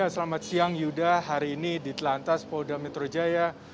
selamat siang yuda hari ini di telantas polda metro jaya